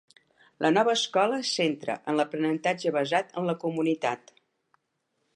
La Nova Escola es centra en l'aprenentatge basat en la comunitat.